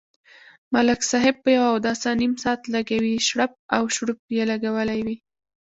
ملک صاحب په یوه اوداسه نیم ساعت لگوي، شړپ او شړوپ یې لگولی وي.